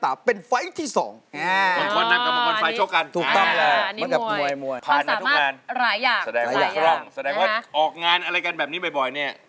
แสดงว่าออกงานอะไรกันแบบนี้บ่อยเนี่ย